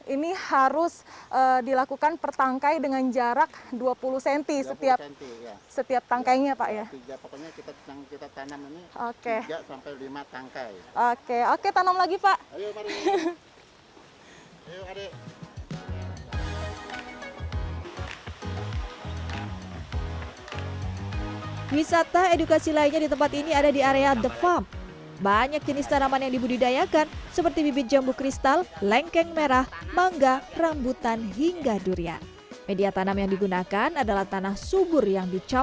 ini harus dilakukan per tanggai dengan jarak dua puluh cm setiap tanggainya pak ya